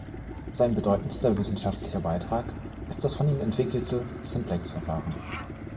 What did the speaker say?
Sein bedeutendster wissenschaftlicher Beitrag ist das von ihm entwickelte Simplex-Verfahren.